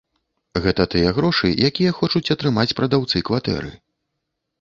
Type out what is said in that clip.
Гэта тыя грошы, якія хочуць атрымаць прадаўцы кватэры.